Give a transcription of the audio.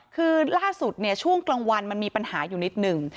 คือล่าสุดเนี่ยช่วงกลางวันมันมีปัญหาอยู่นิดหนึ่ง